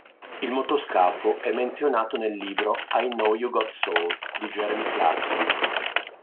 Il motoscafo è menzionato nel libro "I Know You Got Soul" di Jeremy Clarkson.